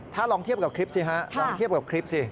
ถ้าลองเทียบกับคลิปสิ